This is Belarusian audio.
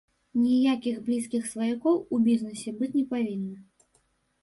Ніякіх блізкіх сваякоў у бізнэсе быць не павінна.